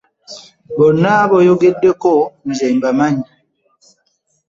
Bonna b'oyogeddeko nze mbamanyi.